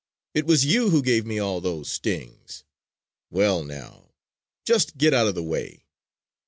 It was you who gave me all those stings! Well now, just get out of the way!"